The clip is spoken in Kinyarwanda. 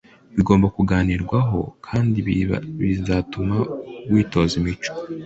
Bigomba kuganirwaho kandi bibizatuma witoza imico